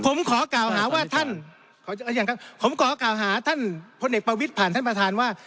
ผมขอกล่าวหาว่าท่านผมขอกล่าวหาท่านพลเอกประวิทย์ผ่านท่านประธานว่า